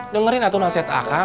dengerin atu nasihat akang